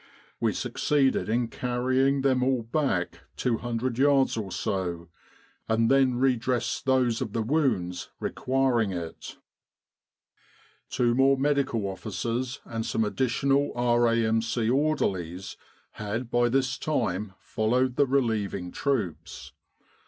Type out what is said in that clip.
We succeeded in carrying them all back 200 yards or so, and then re dressed those of the wounds requiring it. "' Two more Medical Officers and some additional R.A.M.C. orderlies had by this time followed the relieving troops.